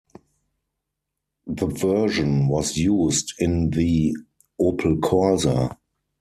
The version was used in the Opel Corsa.